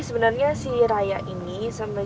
sebenernya si raya ini sama